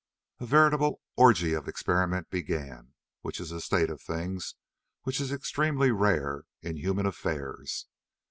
A veritable orgy of experiment began, which is a state of things which is extremely rare in human affairs.